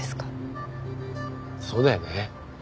そうだよね。